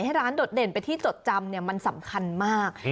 ร้านโดดเด่นเป็นที่จดจำมันสำคัญมาก